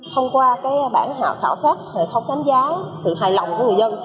thông qua bản khảo sát hệ thống đánh giá sự hài lòng của người dân